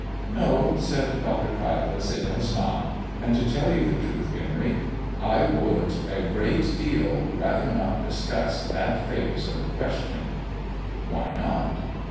"No," said Dr. Caiaphas, "it has not. And, to tell you the truth, Henry, I would a great deal rather not discuss that phase of the question." "Why not?"